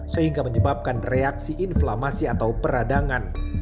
sehingga menyebabkan reaksi inflamasi atau peradangan